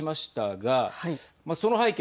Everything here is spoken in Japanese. その背景